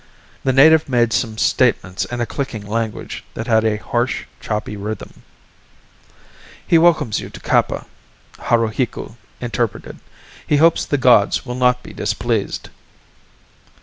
The native made some statement in a clicking language that had a harsh, choppy rhythm. "He welcomes you to Kappa," Haruhiku interpreted. "He hopes the gods will not be displeased."